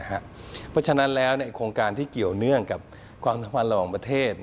เพราะฉะนั้นแล้วโครงการที่เกี่ยวเนื่องกับความสัมพันธ์ระหว่างประเทศ